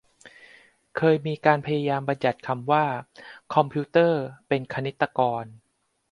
เคยมีการพยายามบัญญัติคำว่าคอมพิวเตอร์เป็นคณิตกร